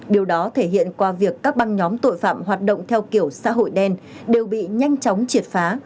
điều đó thể hiện qua việc các băng nhóm tội phạm hoạt động theo kiểu xã hội đen đều bị nhanh chóng triệt phá